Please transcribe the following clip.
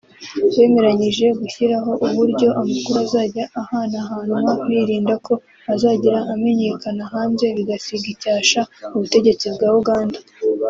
Bemeranyije gushyiraho uburyo amakuru azajya ahanahanwa birinda ko hazagira amenyekana hanze bigasiga icyasha ubutegetsi bwa Uganda